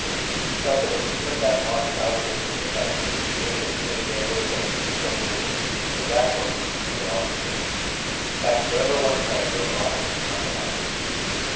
He thought that if he had put that lost thousand roubles in the bank, the interest for a year would have been at least forty roubles, so that forty roubles was a loss too. In fact, wherever one turned there were losses and nothing else.